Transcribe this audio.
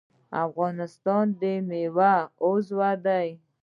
د افغانستان میوه عضوي ده